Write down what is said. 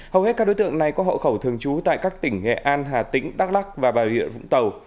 hầu hết các đối tượng này có hậu khẩu thường trú tại các tỉnh nghệ an hà tĩnh đắk lắc và bà rịa vũng tàu